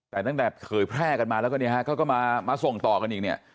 แต่ตั้งแต่เผยแพร่กันมาแล้วก็เนี่ยฮะเขาก็มาส่งต่อกันอีกเนี่ย